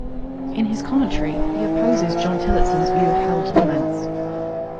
In his commentary he opposes John Tillotson's view of hell torments.